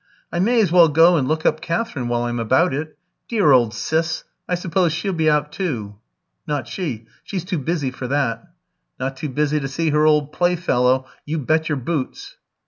"I may as well go and look up Katherine, while I'm about it. Dear old Sis, I suppose she'll be out too." "Not she she's too busy for that." "Not too busy to see her old playfellow, you bet your boots."